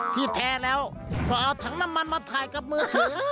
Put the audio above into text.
ที่แท้แล้วก็เอาถังน้ำมันมาถ่ายกับมือถือ